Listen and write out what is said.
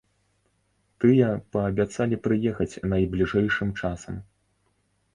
Тыя паабяцалі прыехаць найбліжэйшым часам.